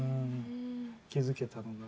気付けたのが。